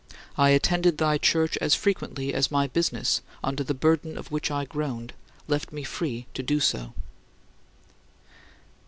I attended thy church as frequently as my business, under the burden of which I groaned, left me free to do so.